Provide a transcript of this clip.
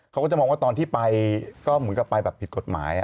เขาก็จะมองว่าตอนที่ไปก็เหมือนกับไปแบบผิดกฎหมาย